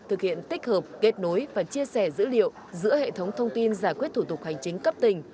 thực hiện tích hợp kết nối và chia sẻ dữ liệu giữa hệ thống thông tin giải quyết thủ tục hành chính cấp tỉnh